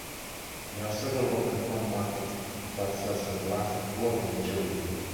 There are several open front markets that sell sunglasses, clothing and jewelry.